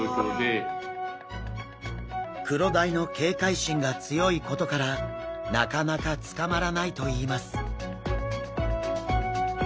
クロダイの警戒心が強いことからなかなか捕まらないといいます。